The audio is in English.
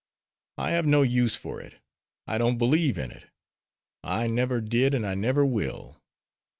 I have no use for it. I don't believe in it. I never did and I never will.